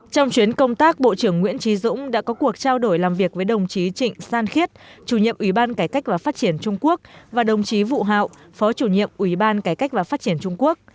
trong chuyến công tác bộ trưởng nguyễn trí dũng đã có cuộc trao đổi làm việc với đồng chí trịnh san khiết chủ nhiệm ủy ban cải cách và phát triển trung quốc và đồng chí vụ hạo phó chủ nhiệm ủy ban cải cách và phát triển trung quốc